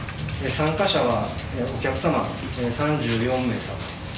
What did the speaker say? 参加者はお客様３４名様。